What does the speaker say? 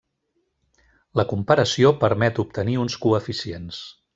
La comparació permet obtenir uns coeficients.